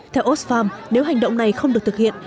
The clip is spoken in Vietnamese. theo osfarm nếu hành động này không được thực hiện